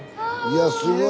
いやすごい。